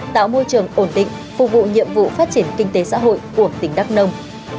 tạo môi trường ổn định phục vụ nhiệm vụ phát triển kinh tế xã hội của tỉnh đắk nông